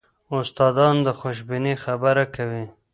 استادان د خوشبینۍ خبره کوي.